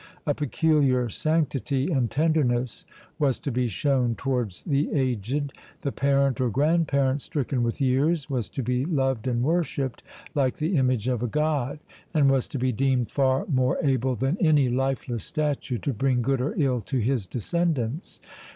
A peculiar sanctity and tenderness was to be shown towards the aged; the parent or grandparent stricken with years was to be loved and worshipped like the image of a God, and was to be deemed far more able than any lifeless statue to bring good or ill to his descendants.